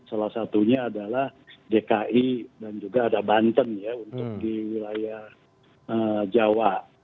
salah satunya adalah dki dan juga ada banten ya untuk di wilayah jawa